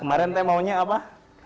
kemarin temanya apa